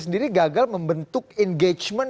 sendiri gagal membentuk engagement